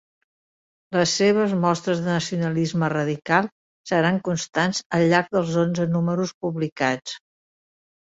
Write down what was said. Les seves mostres de nacionalisme radical seran constants al llarg dels onze números publicats.